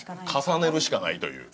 重ねるしかないという。